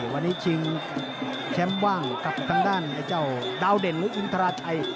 วันนี้ชิงแชมป์ว่างกับทางด้านไอ้เจ้าดาวเด่นหรืออินทราชัย